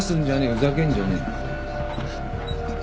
ふざけんじゃねえ。